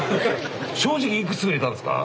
正直いくつ売れたんですか？